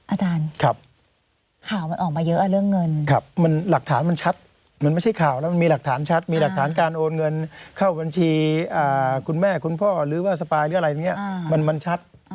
อาจารย์ข่าวมันออกมาเยอะเรื่องเงินมันหลักฐานมันชัดมันไม่ใช่ข่าวแล้วมันมีหลักฐานชัดมีหลักฐานการโอนเงินเข้าบัญชีคุณแม่คุณพ่อหรือว่าสปายหรืออะไรอย่างนี้มันชัด